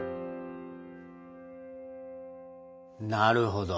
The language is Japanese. なるほど。